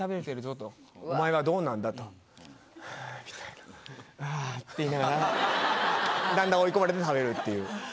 「ハァ」みたいな「あ」って言いながらだんだん追い込まれて食べるっていう。